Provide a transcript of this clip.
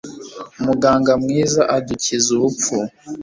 muganga mwiza adukiza urupfu